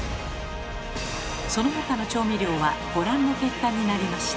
その他の調味料はご覧の結果になりました。